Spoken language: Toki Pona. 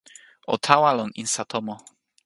o tawa lon insa tomo.